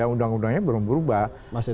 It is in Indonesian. undang undangnya belum berubah